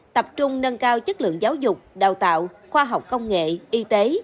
tập trung nâng cao chất lượng giáo dục đào tạo khoa học công nghệ y tế